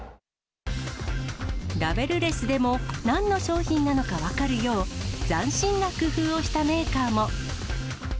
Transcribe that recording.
ラベルレスでもなんの商品なのか分かるよう斬新な工夫をしたメーカーも。